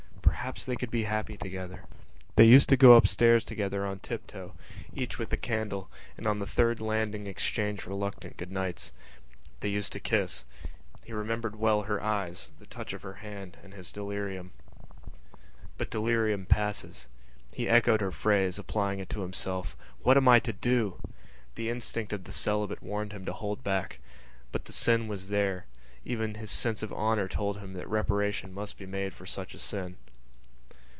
Perhaps they could be happy together.... They used to go upstairs together on tiptoe, each with a candle, and on the third landing exchange reluctant good nights. They used to kiss. He remembered well her eyes, the touch of her hand and his delirium.... But delirium passes. He echoed her phrase, applying it to himself: "What am I to do?" The instinct of the celibate warned him to hold back. But the sin was there; even his sense of honour told him that reparation must be made for such a sin.